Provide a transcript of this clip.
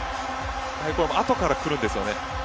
後から来るんですよね。